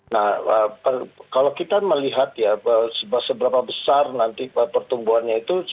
nah kalau kita melihat ya seberapa besar nanti pertumbuhannya itu